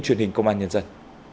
truyền hình công an nhân dân